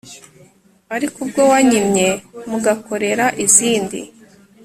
Ariko ubwo mwanyim ye mugakorera izindi